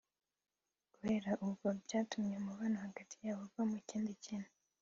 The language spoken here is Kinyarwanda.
guhera ubwo byatumye umubano hagati yabo uvamo ikindi kintu